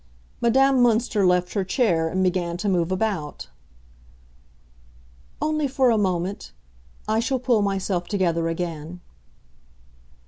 Madame Münster left her chair, and began to move about. "Only for a moment. I shall pull myself together again."